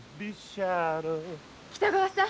北川さん。